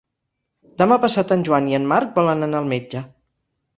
Demà passat en Joan i en Marc volen anar al metge.